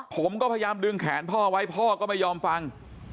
ผมก็พยายามดึงแขนพ่อไว้พ่อก็ไม่ยอมฟัง